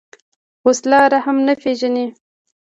وسله رحم نه پېژني